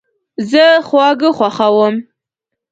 زه خواږه خوښوم